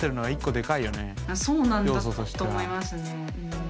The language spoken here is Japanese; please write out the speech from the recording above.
そうなんだと思いますね。